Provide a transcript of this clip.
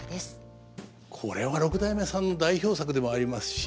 これは六代目さんの代表作でもありますし。